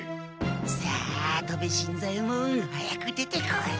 さあ戸部新左ヱ門早く出てこい！